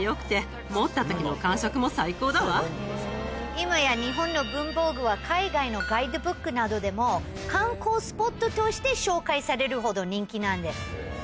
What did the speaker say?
今や日本の文房具は。などでも観光スポットとして紹介されるほど人気なんです。